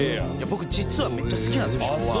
僕実はめっちゃ好きなんですよ昭和。